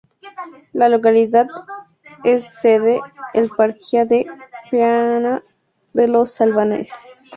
La localidad es sede la eparquía de Piana de los albaneses.